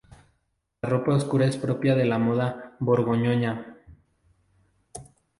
La ropa oscura es propia de la moda borgoñona.